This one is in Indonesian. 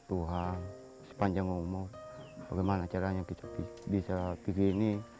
tuhan sepanjang umur bagaimana caranya bisa begini